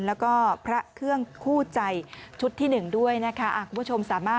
แล้วก็พระเครื่องคู่ใจชุดที่๑ด้วยนะคะ